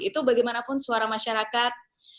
itu bagaimanapun suara masyarakat